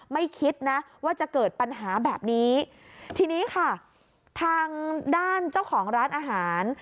ไม่คิดนะว่าจะเกิดปัญหาแบบนี้ทีนี้ค่ะทางด้านเจ้าของร้านอาหาร